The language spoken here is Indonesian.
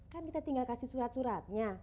kan kita tinggal kasih surat suratnya